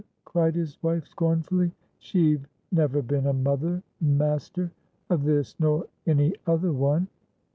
cried his wife, scornfully. "She've never been a mother, maester; of this nor any other one.